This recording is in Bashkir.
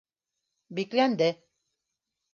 бикләнде